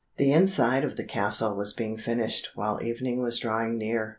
The inside of the castle was being finished while evening was drawing near.